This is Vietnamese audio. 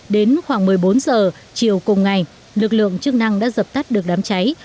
đến khoảng một mươi bốn giờ chiều cùng ngày lực lượng chức năng đã dập tắt được đám cháy